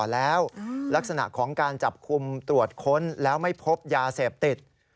แล้วลักษณะของการจับคุมตรวจค้นแล้วไม่พบยาเสพติด